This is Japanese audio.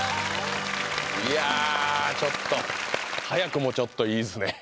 いやちょっと早くもちょっといいっすね